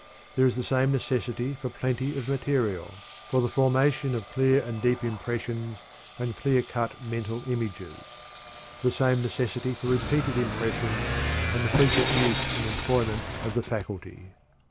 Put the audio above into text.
There is the same necessity for plenty of material; for the formation of clear and deep impressions and clear cut mental images; the same necessity for repeated impression, and the frequent use and employment of the faculty.